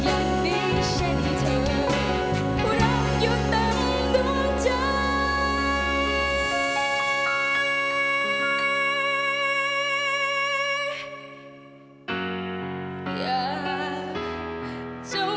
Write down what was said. อยากหยุดหวั่นเวลาให้ไหว